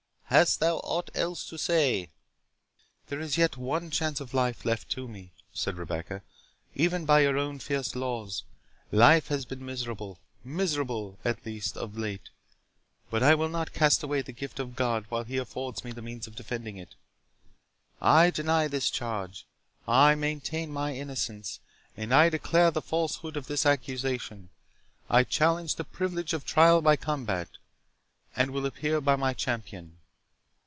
Hast thou aught else to say?" "There is yet one chance of life left to me," said Rebecca, "even by your own fierce laws. Life has been miserable—miserable, at least, of late—but I will not cast away the gift of God, while he affords me the means of defending it. I deny this charge—I maintain my innocence, and I declare the falsehood of this accusation—I challenge the privilege of trial by combat, and will appear by my champion."